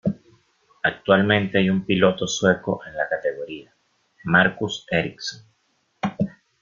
Actualmente hay un piloto sueco en la categoría, Marcus Ericsson.